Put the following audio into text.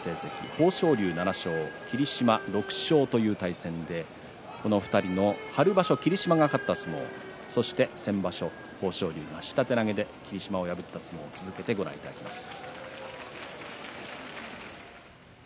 豊昇龍７勝、霧島６勝という対戦で、この２人、春場所霧島が勝った相撲そして先場所、豊昇龍が下手投げで霧島を破った相撲を続けてご覧いただきます。